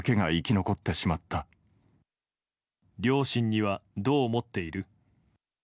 両親にはどう思っている？